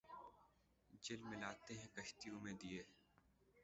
جھلملاتے ہیں کشتیوں میں دیے